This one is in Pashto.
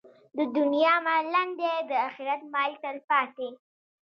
د دنیا مال لنډ دی، د اخرت مال تلپاتې.